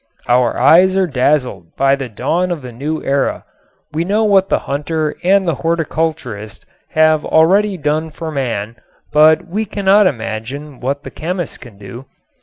Our eyes are dazzled by the dawn of the new era. We know what the hunter and the horticulturist have already done for man, but we cannot imagine what the chemist can do.